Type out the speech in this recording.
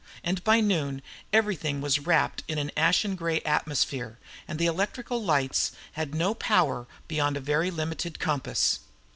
And by noon everything was wrapped in an ashen grey atmosphere, and the electrical lights had no power beyond a very limited compass.